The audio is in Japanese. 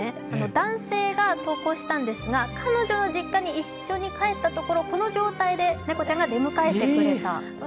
男性が投稿したんですが、彼女の実家に一緒に帰ったところこの状態で猫ちゃんが出迎えてくれた。